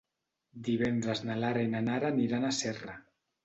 Divendres na Lara i na Nara aniran a Serra.